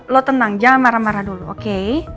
lo tenang jangan marah marah dulu oke